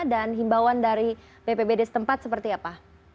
dan himbauan dari bpbd setempat seperti apa